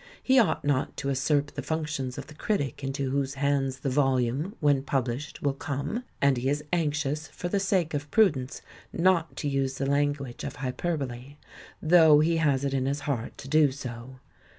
He ought not to usurp the functions of the critic into whose hands the volume, when pub lished, will come, and he is anxious, for the sake of prudence, not to use the language of hyper bole, though he has it in his heart to do so.